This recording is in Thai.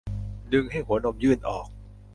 ดึงให้หัวนมยื่นออก